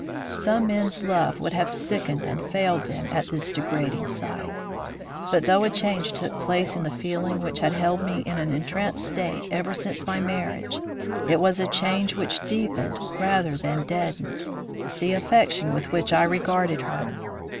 "Some men's love would have sickened and failed them at this degrading sight. But though a change took place in the feeling which had held me in an entranced state ever since my marriage, it was a change which deepened, rather than deadened, the affection with which I regarded her.